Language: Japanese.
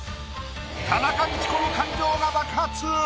⁉田中道子の感情が爆発！